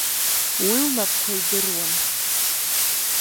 Уи лнапқәа идыруан.